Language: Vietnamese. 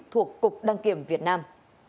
thuộc cục đăng kiểm việt nam